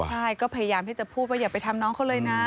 ใช่ก็พยายามที่จะพูดว่าอย่าไปทำน้องเขาเลยนะ